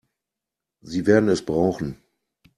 Sie werden es brauchen.